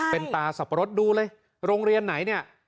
เป็นตาสับปะรดดูเลยโรงเรียนไหนเนี่ย